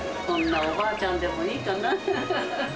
こんなおばあちゃんでもいいかな？